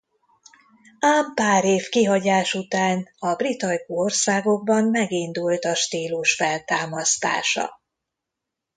Ám pár év kihagyás után a brit ajkú országokban megindult a stílus feltámasztása.